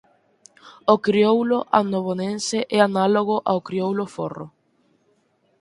O crioulo annobonense é análogo ao crioulo forro.